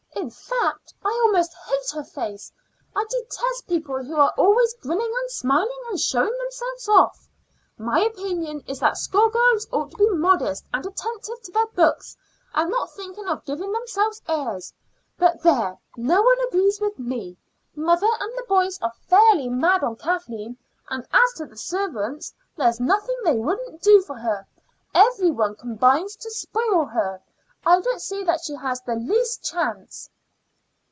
"In fact, I almost hate her face. I detest people who are always grinning and smiling and showing themselves off. My opinion is that schoolgirls ought to be modest, and attentive to their books, and not thinking of giving themselves airs. But there! no one agrees with me. Mother and the boys are fairly mad on Kathleen; and as to the servants, there's nothing they wouldn't do for her. Every one combines to spoil her; I don't see that she has the least chance."